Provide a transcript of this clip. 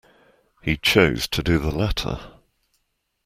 He chose to do the latter.